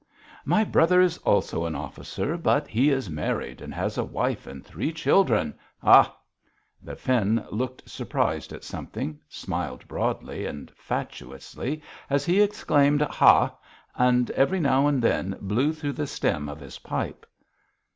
"My brother is also an officer, but he is married and has a wife and three children. Ha!" The Finn looked surprised at something, smiled broadly and fatuously as he exclaimed, "Ha," and every now and then blew through the stem of his pipe.